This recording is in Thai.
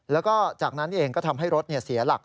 แล้วก็จากนั้นเองก็ทำให้รถเสียหลัก